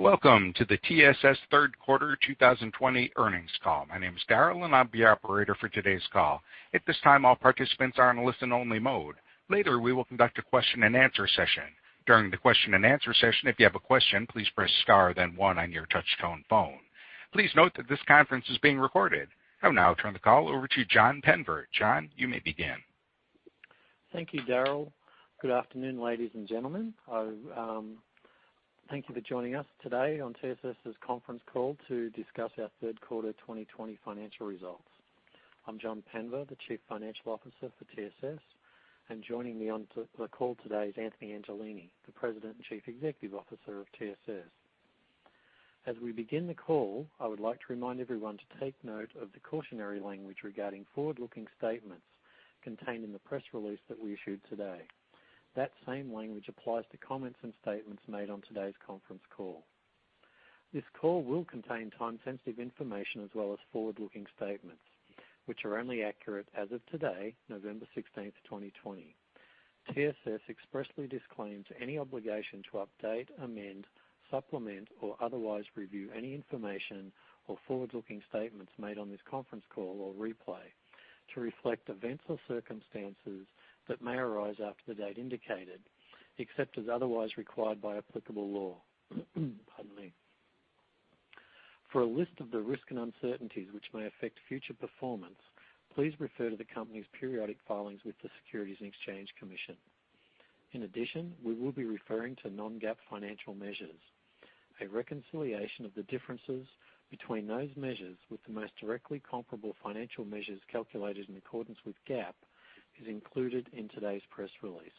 Welcome to the TSS third quarter 2020 earnings call. My name is Darryll and I'll be your operator for today's call. At this time, all participants are in a listen-only mode. Later, we will conduct a question-and-answer session. During the question-and-answer session, if you have a question, please press star then one on your touch-tone phone. Please note that this conference is being recorded. I will now turn the call over to John Penver. John, you may begin. Thank you, Darryll. Good afternoon, ladies and gentlemen. Thank you for joining us today on TSS's conference call to discuss our third quarter 2020 financial results. I'm John Penver, the Chief Financial Officer for TSS, and joining me on the call today is Anthony Angelini, the President and Chief Executive Officer of TSS. As we begin the call, I would like to remind everyone to take note of the cautionary language regarding forward-looking statements contained in the press release that we issued today. That same language applies to comments and statements made on today's conference call. This call will contain time-sensitive information as well as forward-looking statements, which are only accurate as of today, November 16th, 2020. TSS expressly disclaims any obligation to update, amend, supplement, or otherwise review any information or forward-looking statements made on this conference call or replay to reflect events or circumstances that may arise after the date indicated, except as otherwise required by applicable law. For a list of the risks and uncertainties which may affect future performance, please refer to the company's periodic filings with the U.S. Securities and Exchange Commission. In addition, we will be referring to non-GAAP financial measures. A reconciliation of the differences between those measures with the most directly comparable financial measures calculated in accordance with GAAP is included in today's press release.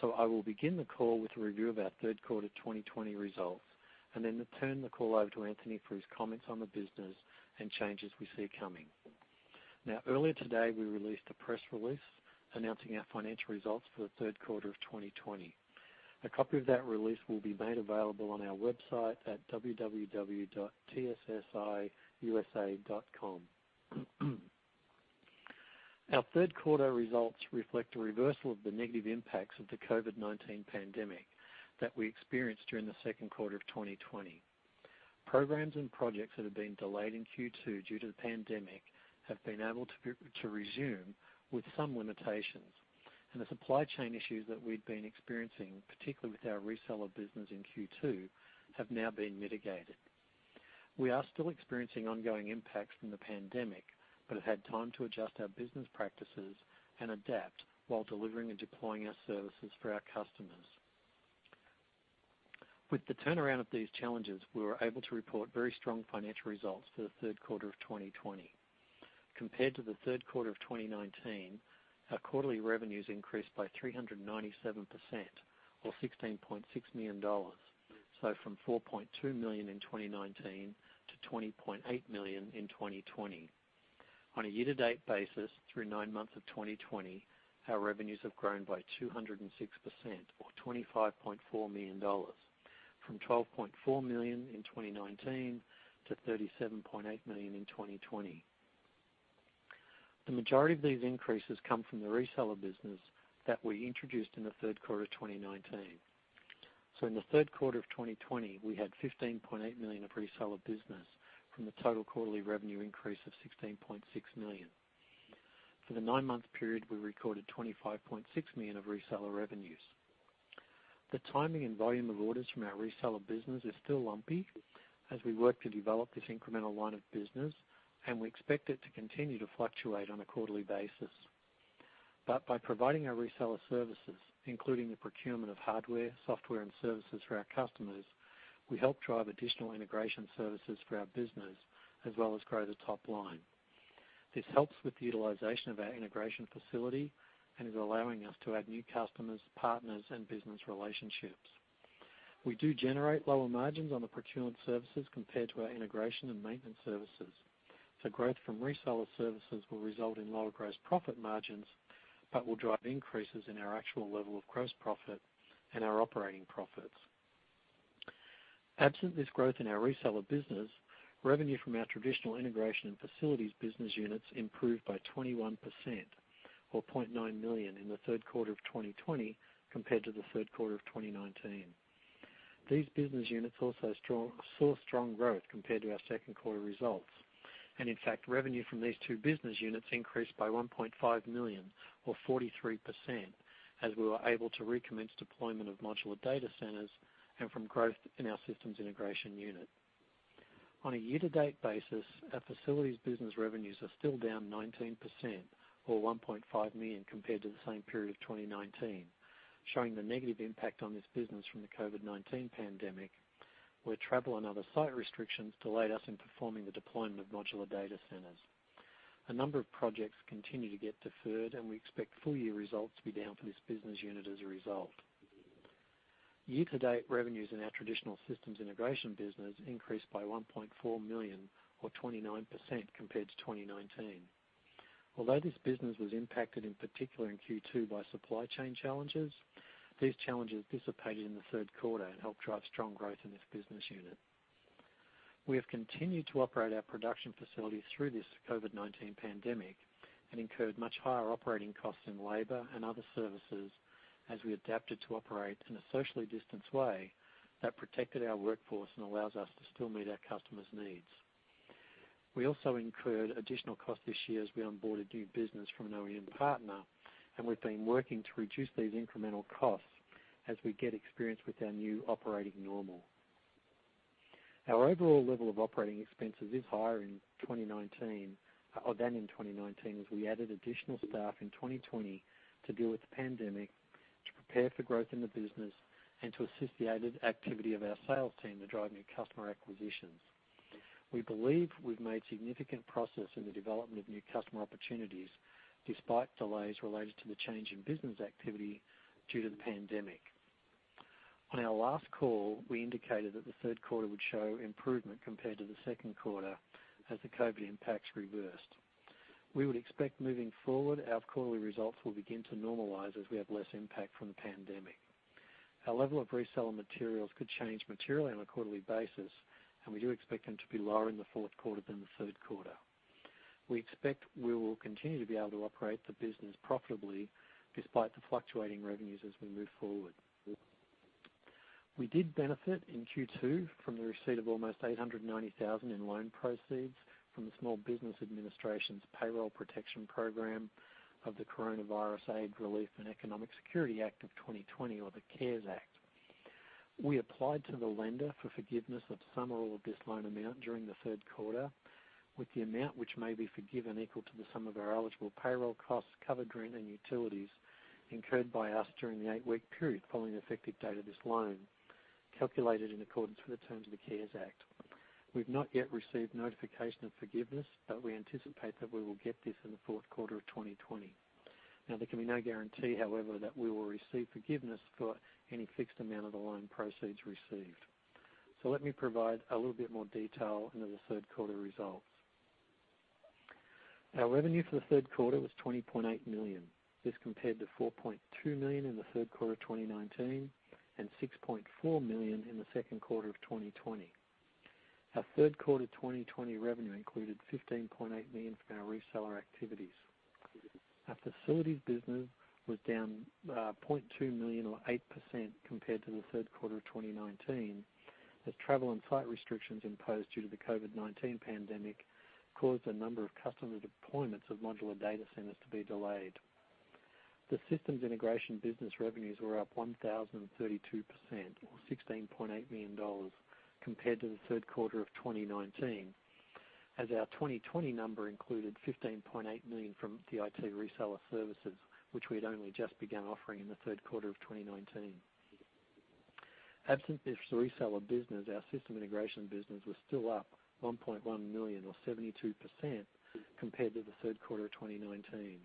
So I will begin the call with a review of our third quarter 2020 results and then turn the call over to Anthony for his comments on the business and changes we see coming. Now, earlier today, we released a press release announcing our financial results for the third quarter of 2020. A copy of that release will be made available on our website at www.tssiusa.com. Our third quarter results reflect a reversal of the negative impacts of the COVID-19 pandemic that we experienced during the second quarter of 2020. Programs and projects that have been delayed in Q2 due to the pandemic have been able to resume with some limitations, and the supply chain issues that we've been experiencing, particularly with our reseller business in Q2, have now been mitigated. We are still experiencing ongoing impacts from the pandemic but have had time to adjust our business practices and adapt while delivering and deploying our services for our customers. With the turnaround of these challenges, we were able to report very strong financial results for the third quarter of 2020. Compared to the third quarter of 2019, our quarterly revenues increased by 397% or $16.6 million, so from $4.2 million in 2019 to $20.8 million in 2020. On a year-to-date basis, through nine months of 2020, our revenues have grown by 206% or $25.4 million, from $12.4 million in 2019 to $37.8 million in 2020. The majority of these increases come from the reseller business that we introduced in the third quarter of 2019. So in the third quarter of 2020, we had $15.8 million of reseller business from the total quarterly revenue increase of $16.6 million. For the nine-month period, we recorded $25.6 million of reseller revenues. The timing and volume of orders from our reseller business is still lumpy as we work to develop this incremental line of business, and we expect it to continue to fluctuate on a quarterly basis. But by providing our reseller services, including the procurement of hardware, software, and services for our customers, we help drive additional integration services for our business as well as grow the top line. This helps with the utilization of our integration facility and is allowing us to add new customers, partners, and business relationships. We do generate lower margins on the procurement services compared to our integration and maintenance services. So growth from reseller services will result in lower gross profit margins but will drive increases in our actual level of gross profit and our operating profits. Absent this growth in our reseller business, revenue from our traditional integration and facilities business units improved by 21% or $0.9 million in the third quarter of 2020 compared to the third quarter of 2019. These business units also saw strong growth compared to our second quarter results, and in fact, revenue from these two business units increased by $1.5 million or 43% as we were able to recommence deployment of modular data centers and from growth in our systems integration unit. On a year-to-date basis, our facilities business revenues are still down 19% or $1.5 million compared to the same period of 2019, showing the negative impact on this business from the COVID-19 pandemic, where travel and other site restrictions delayed us in performing the deployment of modular data centers. A number of projects continue to get deferred, and we expect full-year results to be down for this business unit as a result. Year-to-date revenues in our traditional systems integration business increased by $1.4 million or 29% compared to 2019. Although this business was impacted in particular in Q2 by supply chain challenges, these challenges dissipated in the third quarter and helped drive strong growth in this business unit. We have continued to operate our production facilities through this COVID-19 pandemic and incurred much higher operating costs in labor and other services as we adapted to operate in a socially distanced way that protected our workforce and allows us to still meet our customers' needs. We also incurred additional costs this year as we onboarded new business from an OEM partner, and we've been working to reduce these incremental costs as we get experience with our new operating normal. Our overall level of operating expenses is higher than in 2019 as we added additional staff in 2020 to deal with the pandemic, to prepare for growth in the business, and to assist the activity of our sales team to drive new customer acquisitions. We believe we've made significant progress in the development of new customer opportunities despite delays related to the change in business activity due to the pandemic. On our last call, we indicated that the third quarter would show improvement compared to the second quarter as the COVID impacts reversed. We would expect moving forward, our quarterly results will begin to normalize as we have less impact from the pandemic. Our level of reseller materials could change materially on a quarterly basis, and we do expect them to be lower in the fourth quarter than the third quarter. We expect we will continue to be able to operate the business profitably despite the fluctuating revenues as we move forward. We did benefit in Q2 from the receipt of almost $890,000 in loan proceeds from the Small Business Administration's Payroll Protection Program of the Coronavirus Aid, Relief, and Economic Security Act of 2020, or the CARES Act. We applied to the lender for forgiveness of some or all of this loan amount during the third quarter, with the amount which may be forgiven equal to the sum of our eligible payroll costs covered rent and utilities incurred by us during the eight-week period following the effective date of this loan, calculated in accordance with the terms of the CARES Act. We've not yet received notification of forgiveness, but we anticipate that we will get this in the fourth quarter of 2020. Now, there can be no guarantee, however, that we will receive forgiveness for any fixed amount of the loan proceeds received. So let me provide a little bit more detail into the third quarter results. Our revenue for the third quarter was $20.8 million. This compared to $4.2 million in the third quarter of 2019 and $6.4 million in the second quarter of 2020. Our third quarter 2020 revenue included $15.8 million from our reseller activities. Our facilities business was down $0.2 million, or 8%, compared to the third quarter of 2019 as travel and site restrictions imposed due to the COVID-19 pandemic caused a number of customer deployments of modular data centers to be delayed. The systems integration business revenues were up 1,032%, or $16.8 million, compared to the third quarter of 2019, as our 2020 number included $15.8 million from the IT reseller services, which we had only just begun offering in the third quarter of 2019. Absent this reseller business, our system integration business was still up $1.1 million, or 72%, compared to the third quarter of 2019,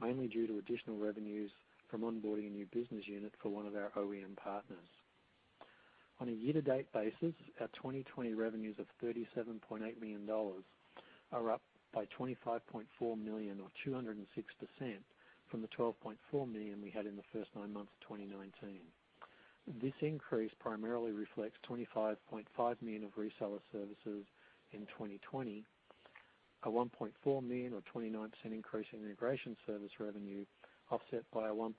mainly due to additional revenues from onboarding a new business unit for one of our OEM partners. On a year-to-date basis, our 2020 revenues of $37.8 million are up by $25.4 million, or 206%, from the $12.4 million we had in the first nine months of 2019. This increase primarily reflects $25.5 million of reseller services in 2020, a $1.4 million, or 29%, increase in integration service revenue offset by a $1.5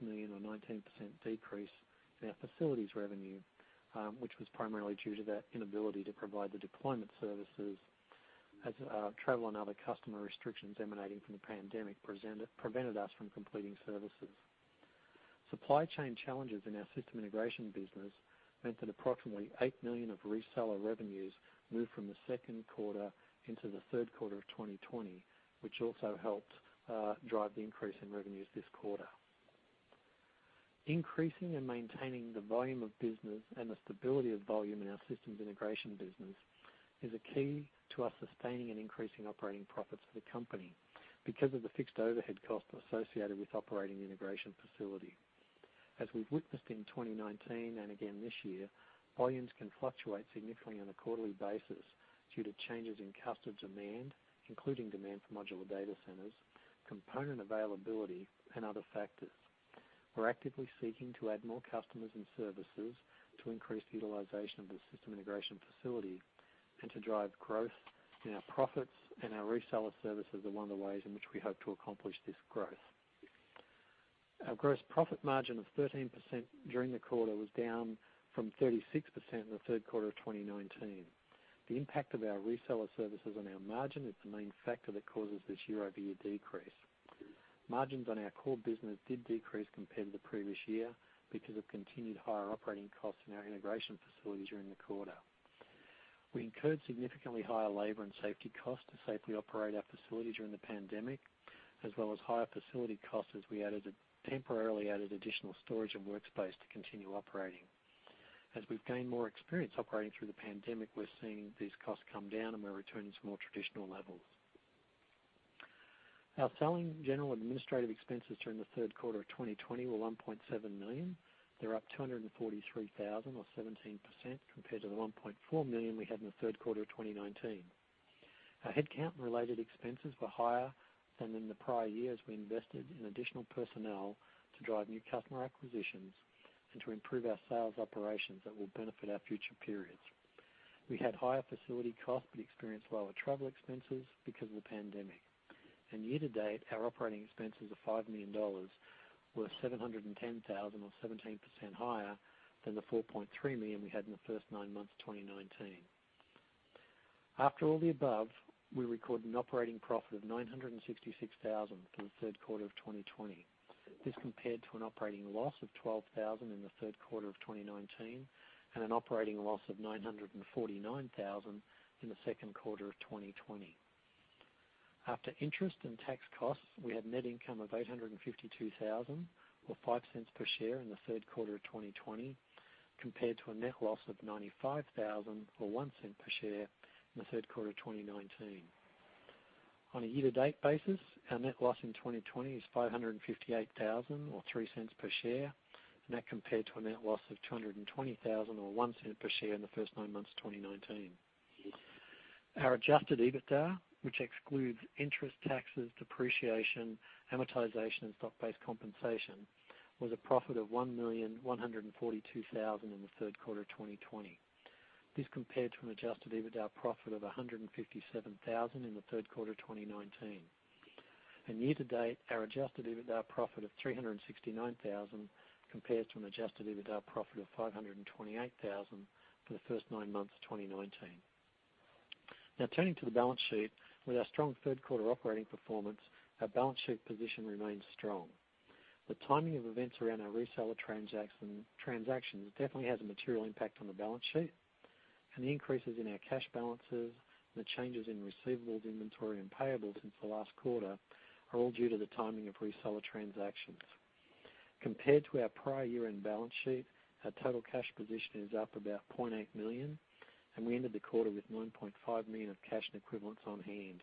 million, or 19%, decrease in our facilities revenue, which was primarily due to that inability to provide the deployment services as travel and other customer restrictions emanating from the pandemic prevented us from completing services. Supply chain challenges in our system integration business meant that approximately $8 million of reseller revenues moved from the second quarter into the third quarter of 2020, which also helped drive the increase in revenues this quarter. Increasing and maintaining the volume of business and the stability of volume in our systems integration business is a key to us sustaining and increasing operating profits for the company because of the fixed overhead cost associated with operating the integration facility. As we've witnessed in 2019 and again this year, volumes can fluctuate significantly on a quarterly basis due to changes in customer demand, including demand for modular data centers, component availability, and other factors. We're actively seeking to add more customers and services to increase the utilization of the system integration facility and to drive growth in our profits, and our reseller service is one of the ways in which we hope to accomplish this growth. Our gross profit margin of 13% during the quarter was down from 36% in the third quarter of 2019. The impact of our reseller services on our margin is the main factor that causes this year-over-year decrease. Margins on our core business did decrease compared to the previous year because of continued higher operating costs in our integration facility during the quarter. We incurred significantly higher labor and safety costs to safely operate our facility during the pandemic, as well as higher facility costs as we temporarily added additional storage and workspace to continue operating. As we've gained more experience operating through the pandemic, we're seeing these costs come down, and we're returning to more traditional levels. Our selling general administrative expenses during the third quarter of 2020 were $1.7 million. They're up $243,000, or 17%, compared to the $1.4 million we had in the third quarter of 2019. Our headcount-related expenses were higher than in the prior year as we invested in additional personnel to drive new customer acquisitions and to improve our sales operations that will benefit our future periods. We had higher facility costs but experienced lower travel expenses because of the pandemic. Year-to-date, our operating expenses of $5 million were $710,000, or 17%, higher than the $4.3 million we had in the first nine months of 2019. After all the above, we recorded an operating profit of $966,000 for the third quarter of 2020. This compared to an operating loss of $12,000 in the third quarter of 2019 and an operating loss of $949,000 in the second quarter of 2020. After interest and tax costs, we had net income of $852,000, or $0.05 per share in the third quarter of 2020, compared to a net loss of $95,000, or $0.01 per share in the third quarter of 2019. On a year-to-date basis, our net loss in 2020 is $558,000, or $0.03 per share, and that compared to a net loss of $220,000, or $0.01 per share in the first nine months of 2019. Our Adjusted EBITDA, which excludes interest, taxes, depreciation, amortization, and stock-based compensation, was a profit of $1,142,000 in the third quarter of 2020. This compared to an Adjusted EBITDA profit of $157,000 in the third quarter of 2019, and year-to-date, our Adjusted EBITDA profit of $369,000 compares to an Adjusted EBITDA profit of $528,000 for the first nine months of 2019. Now, turning to the balance sheet, with our strong third quarter operating performance, our balance sheet position remains strong. The timing of events around our reseller transactions definitely has a material impact on the balance sheet, and the increases in our cash balances and the changes in receivables, inventory, and payables since the last quarter are all due to the timing of reseller transactions. Compared to our prior year-end balance sheet, our total cash position is up about $0.8 million, and we ended the quarter with $9.5 million of cash and equivalents on hand.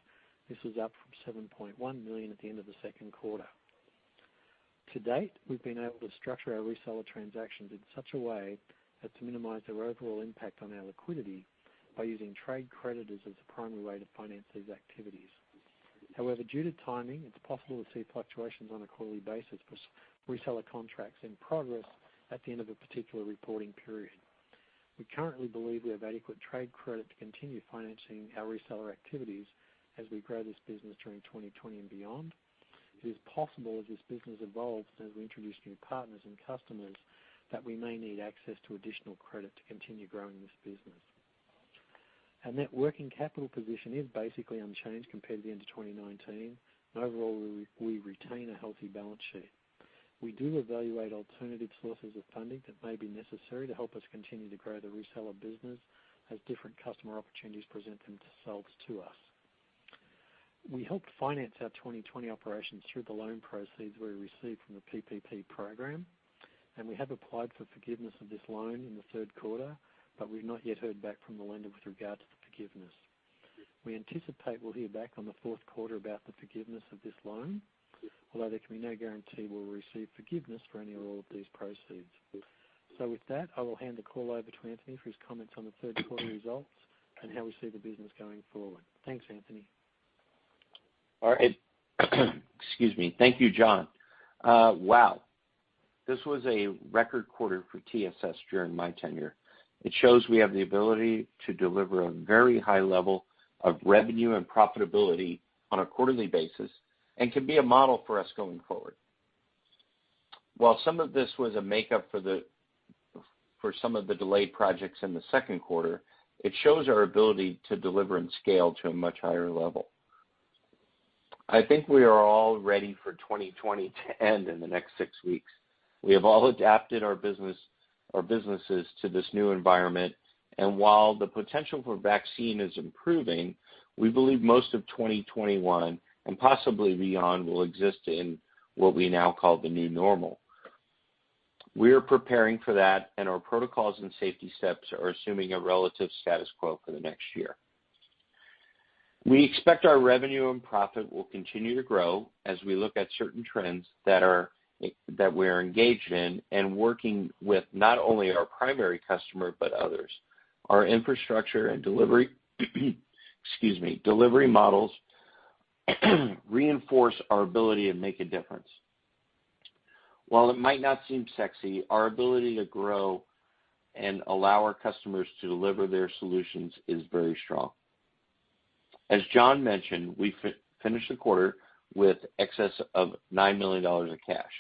This was up from $7.1 million at the end of the second quarter. To date, we've been able to structure our reseller transactions in such a way as to minimize their overall impact on our liquidity by using trade creditors as the primary way to finance these activities. However, due to timing, it's possible to see fluctuations on a quarterly basis for reseller contracts in progress at the end of a particular reporting period. We currently believe we have adequate trade credit to continue financing our reseller activities as we grow this business during 2020 and beyond. It is possible, as this business evolves and as we introduce new partners and customers, that we may need access to additional credit to continue growing this business. Our net working capital position is basically unchanged compared to the end of 2019, and overall, we retain a healthy balance sheet. We do evaluate alternative sources of funding that may be necessary to help us continue to grow the reseller business as different customer opportunities present themselves to us. We helped finance our 2020 operations through the loan proceeds we received from the PPP program, and we have applied for forgiveness of this loan in the third quarter, but we've not yet heard back from the lender with regard to the forgiveness. We anticipate we'll hear back on the fourth quarter about the forgiveness of this loan, although there can be no guarantee we'll receive forgiveness for any or all of these proceeds. So with that, I will hand the call over to Anthony for his comments on the third quarter results and how we see the business going forward. Thanks, Anthony. All right. Excuse me. Thank you, John. Wow. This was a record quarter for TSS during my tenure. It shows we have the ability to deliver a very high level of revenue and profitability on a quarterly basis and can be a model for us going forward. While some of this was a makeup for some of the delayed projects in the second quarter, it shows our ability to deliver and scale to a much higher level. I think we are all ready for 2020 to end in the next six weeks. We have all adapted our businesses to this new environment, and while the potential for vaccine is improving, we believe most of 2021 and possibly beyond will exist in what we now call the new normal. We are preparing for that, and our protocols and safety steps are assuming a relative status quo for the next year. We expect our revenue and profit will continue to grow as we look at certain trends that we are engaged in and working with not only our primary customer but others. Our infrastructure and delivery models reinforce our ability to make a difference. While it might not seem sexy, our ability to grow and allow our customers to deliver their solutions is very strong. As John mentioned, we finished the quarter with excess of $9 million in cash.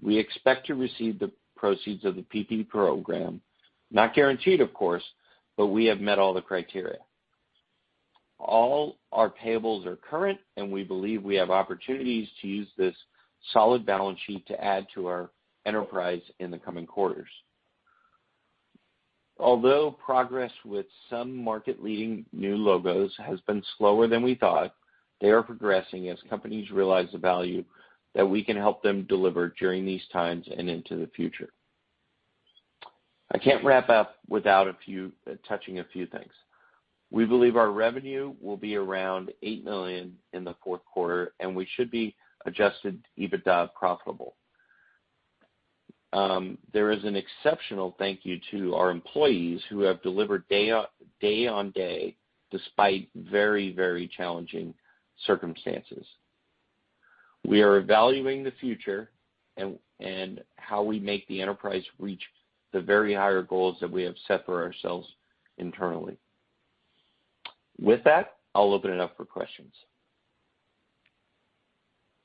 We expect to receive the proceeds of the PPP program, not guaranteed, of course, but we have met all the criteria. All our payables are current, and we believe we have opportunities to use this solid balance sheet to add to our enterprise in the coming quarters. Although progress with some market-leading new logos has been slower than we thought, they are progressing as companies realize the value that we can help them deliver during these times and into the future. I can't wrap up without touching a few things. We believe our revenue will be around $8 million in the fourth quarter, and we should be Adjusted EBITDA profitable. There is an exceptional thank you to our employees who have delivered day-on-day despite very, very challenging circumstances. We are evaluating the future and how we make the enterprise reach the very higher goals that we have set for ourselves internally. With that, I'll open it up for questions.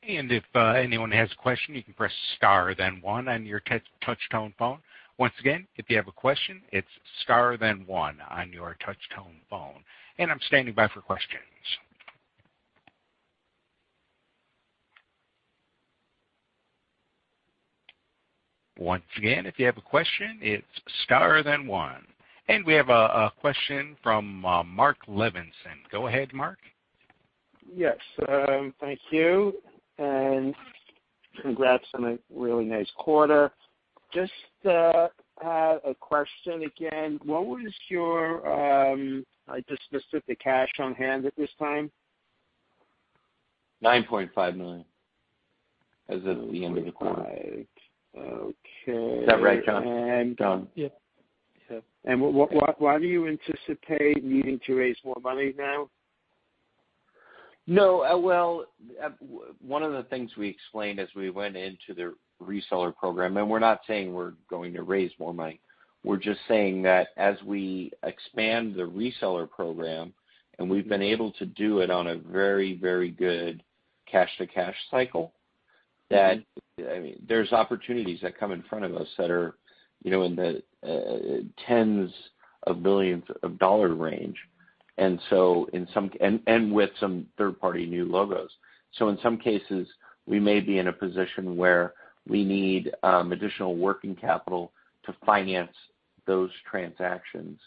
If anyone has a question, you can press star then one on your touch-tone phone. Once again, if you have a question, it's star then one on your touch-tone phone. I'm standing by for questions. Once again, if you have a question, it's star then one. We have a question from Mark Levinson. Go ahead, Mark. Yes. Thank you, and congrats on a really nice quarter. Just had a question again. What was your—I just listed the cash on hand at this time. $9.5 million as of the end of the quarter. Right. Okay. Is that right, John? And. John? Yeah. Yeah. And why do you anticipate needing to raise more money now? No. Well, one of the things we explained as we went into the reseller program, and we're not saying we're going to raise more money. We're just saying that as we expand the reseller program, and we've been able to do it on a very, very good cash-to-cash cycle, that there's opportunities that come in front of us that are in the tens of millions of dollar range. And with some third-party new logos, so in some cases, we may be in a position where we need additional working capital to finance those transactions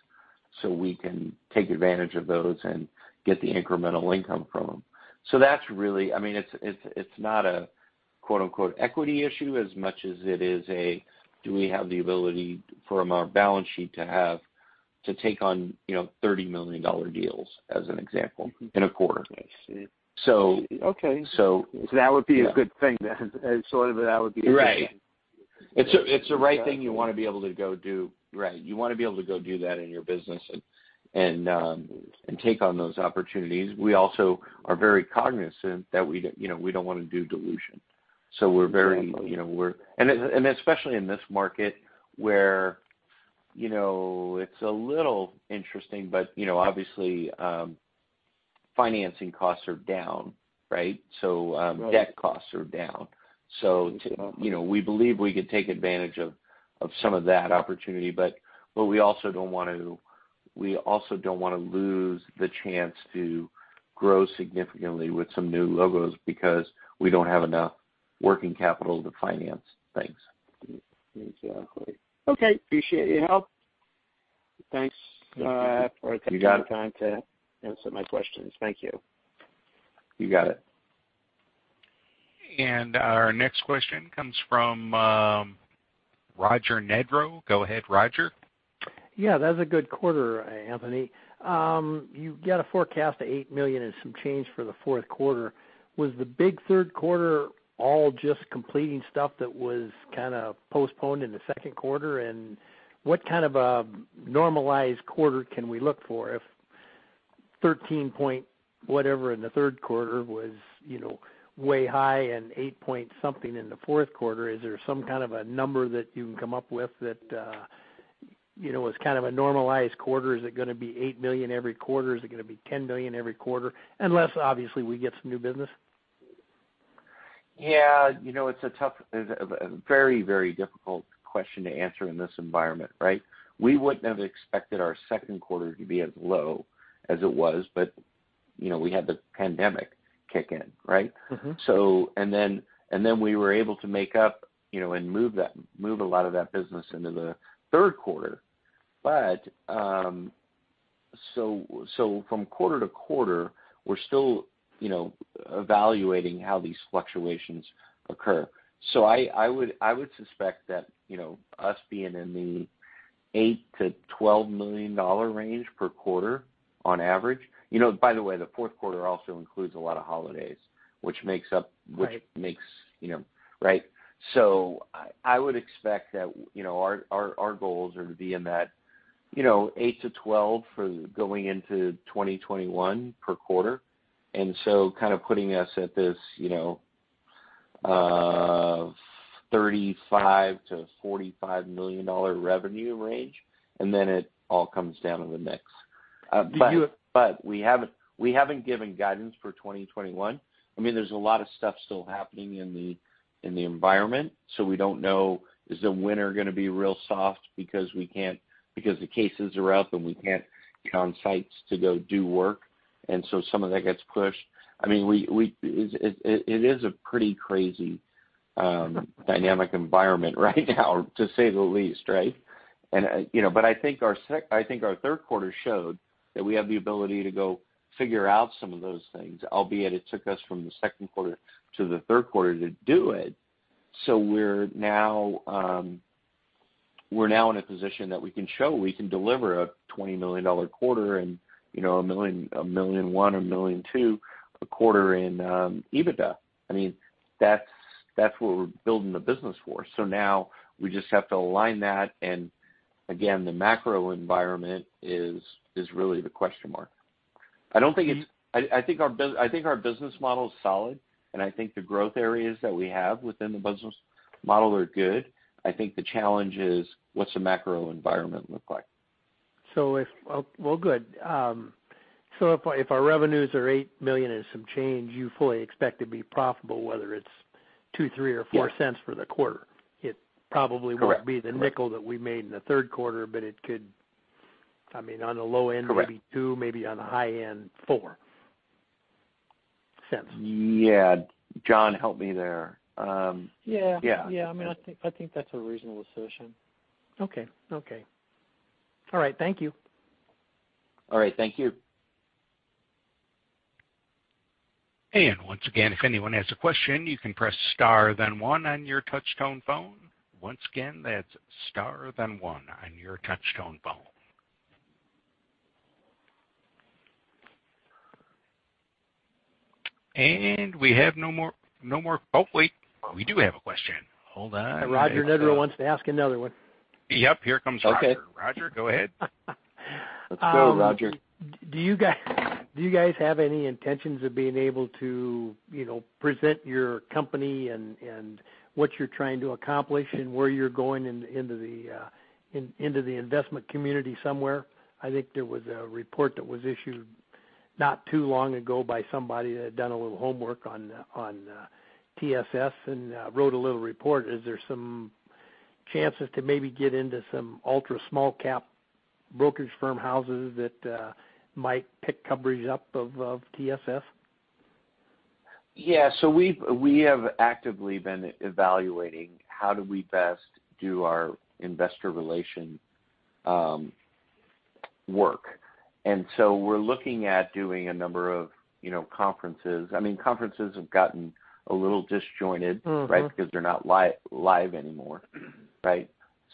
so we can take advantage of those and get the incremental income from them. So that's really. I mean, it's not a "equity issue" as much as it is a. Do we have the ability from our balance sheet to take on $30 million deals, as an example, in a quarter? I see. Okay. So that would be a good thing then. Sort of that would be a good thing. Right. It's the right thing you want to be able to go do. Right. You want to be able to go do that in your business and take on those opportunities. We also are very cognizant that we don't want to do dilution. So we're very, and especially in this market where it's a little interesting, but obviously, financing costs are down, right? So debt costs are down. So we believe we could take advantage of some of that opportunity, but we also don't want to lose the chance to grow significantly with some new logos because we don't have enough working capital to finance. Thanks. Exactly. Okay. Appreciate your help. Thanks for taking the time to answer my questions. Thank you. You got it. Our next question comes from Roger Nedrow. Go ahead, Roger. Yeah. That was a good quarter, Anthony. You got a forecast of $8 million and some change for the fourth quarter. Was the big third quarter all just completing stuff that was kind of postponed in the second quarter? And what kind of a normalized quarter can we look for if 13 point whatever in the third quarter was way high and 8 point something in the fourth quarter? Is there some kind of a number that you can come up with that was kind of a normalized quarter? Is it going to be $8 million every quarter? Is it going to be $10 million every quarter? Unless, obviously, we get some new business. Yeah. It's a very, very difficult question to answer in this environment, right? We wouldn't have expected our second quarter to be as low as it was, but we had the pandemic kick in, right? And then we were able to make up and move a lot of that business into the third quarter. So from quarter to quarter, we're still evaluating how these fluctuations occur. So I would suspect that us being in the $8 million-$12 million range per quarter on average, by the way, the fourth quarter also includes a lot of holidays, which makes up, right? So I would expect that our goals are to be in that $8-$12 for going into 2021 per quarter. And so kind of putting us at this $35 million-$45 million revenue range, and then it all comes down to the mix. But we haven't given guidance for 2021. I mean, there's a lot of stuff still happening in the environment, so we don't know is the winter going to be real soft because the cases are up and we can't get on sites to go do work, and so some of that gets pushed. I mean, it is a pretty crazy dynamic environment right now, to say the least, right? But I think our third quarter showed that we have the ability to go figure out some of those things, albeit it took us from the second quarter to the third quarter to do it. So we're now in a position that we can show we can deliver a $20 million quarter and $1.1 million-$1.2 million a quarter in EBITDA. I mean, that's what we're building the business for. So now we just have to align that. And again, the macro environment is really the question mark. I don't think it's. I think our business model is solid, and I think the growth areas that we have within the business model are good. I think the challenge is what's the macro environment look like? Good. So if our revenues are $8 million and some change, you fully expect to be profitable, whether it's $0.02, $0.03, or $0.04 for the quarter. It probably won't be the $0.05 that we made in the third quarter, but it could, I mean, on the low end, maybe $0.02, maybe on the high end, $0.04. Yeah. John, help me there. Yeah. Yeah. I mean, I think that's a reasonable assertion. Okay. Okay. All right. Thank you. All right. Thank you. And once again, if anyone has a question, you can press star then one on your touch-tone phone. Once again, that's star then one on your touch-tone phone. And we have no more. Oh, wait. We do have a question. Hold on. Roger Nedrow wants to ask another one. Yep. Here comes Roger. Roger, go ahead. Let's go, Roger. Do you guys have any intentions of being able to present your company and what you're trying to accomplish and where you're going into the investment community somewhere? I think there was a report that was issued not too long ago by somebody that had done a little homework on TSS and wrote a little report. Is there some chances to maybe get into some ultra small-cap brokerage firm houses that might pick coverage up of TSS? Yeah. So we have actively been evaluating how do we best do our investor relation work. And so we're looking at doing a number of conferences. I mean, conferences have gotten a little disjointed, right, because they're not live anymore, right?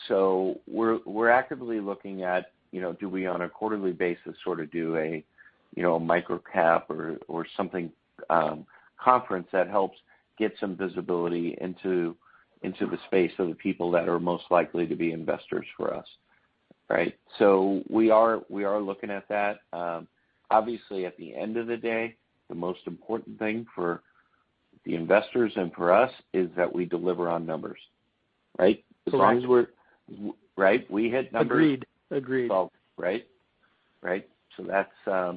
So we're actively looking at, do we on a quarterly basis sort of do a microcap or something conference that helps get some visibility into the space of the people that are most likely to be investors for us, right? So we are looking at that. Obviously, at the end of the day, the most important thing for the investors and for us is that we deliver on numbers, right? As long as we're, right? We hit numbers. Agreed. Agreed. Right? Right? So that's,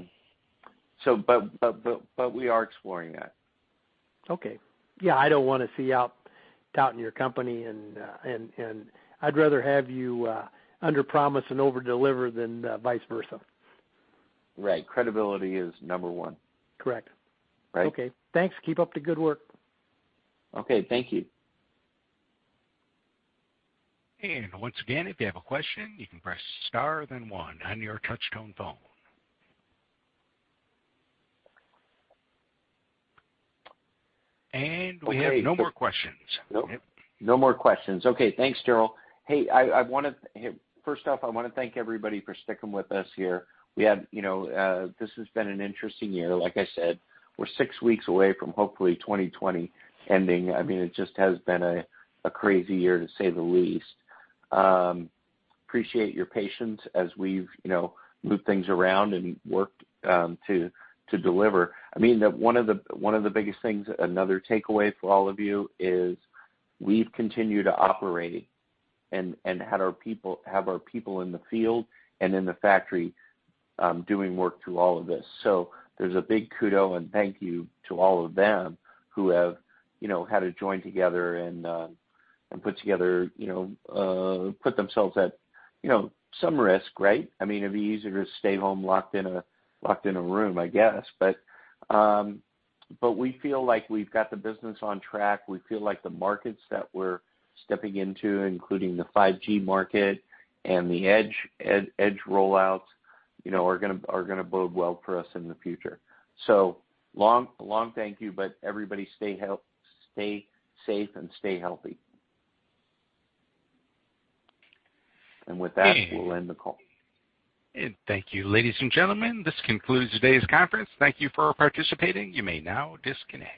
but we are exploring that. Okay. Yeah. I don't want to sell short your company, and I'd rather have you under-promise and over-deliver than vice versa. Right. Credibility is number one. Correct. Right? Okay. Thanks. Keep up the good work. Okay. Thank you. And once again, if you have a question, you can press star then one on your touch-tone phone. And we have no more questions. Nope. No more questions. Okay. Thanks, Darryll. Hey, first off, I want to thank everybody for sticking with us here. We have. This has been an interesting year, like I said. We're six weeks away from hopefully 2020 ending. I mean, it just has been a crazy year, to say the least. Appreciate your patience as we've moved things around and worked to deliver. I mean, one of the biggest things, another takeaway for all of you, is we've continued to operate and have our people in the field and in the factory doing work through all of this. So there's a big kudos and thank you to all of them who have had to join together and put themselves at some risk, right? I mean, it'd be easier to stay home locked in a room, I guess. But we feel like we've got the business on track. We feel like the markets that we're stepping into, including the 5G market and the edge rollouts, are going to bode well for us in the future. So long, thank you, but everybody stay safe and stay healthy, and with that, we'll end the call. Thank you. Ladies and gentlemen, this concludes today's conference. Thank you for participating. You may now disconnect.